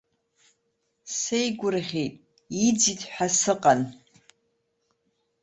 Сеигәырӷьеит, иӡит ҳәа сыҟан.